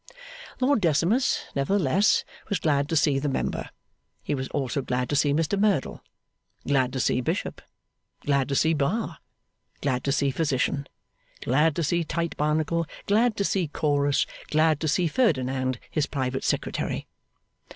Lord Decimus, nevertheless, was glad to see the Member. He was also glad to see Mr Merdle, glad to see Bishop, glad to see Bar, glad to see Physician, glad to see Tite Barnacle, glad to see Chorus, glad to see Ferdinand his private secretary.